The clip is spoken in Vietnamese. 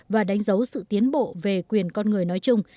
và đánh dấu sự tiến bộ về quyền con người nói chung